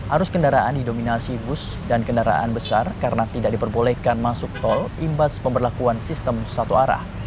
arus kendaraan didominasi bus dan kendaraan besar karena tidak diperbolehkan masuk tol imbas pemberlakuan sistem satu arah